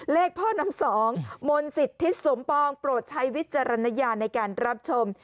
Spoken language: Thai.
เลขพ่อ๕๒มนต์๑๐ทิศสมปองโปรดใช้วิจารณญาณในการรับชม